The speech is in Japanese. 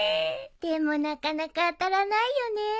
でもなかなか当たらないよね。